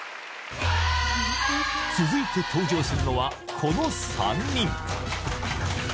続いて登場するのはこの３人。